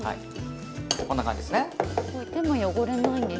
こんな感じですね。